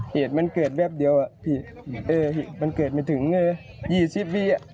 เหตุมันเกิดแวบเดียวอ่ะมันเกิดไม่ถึง๒๐วีอ่ะ